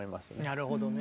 なるほどね。